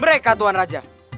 mereka tuhan raja